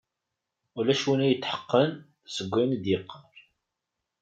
Ulac win i d-yetḥeqqen seg wayen i d-yeqqar.